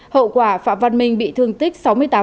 hậu quả phạm văn minh bị thương tích sáu mươi tám